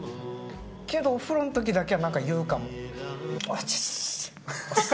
けど、お風呂のときだけはなんか言うかも。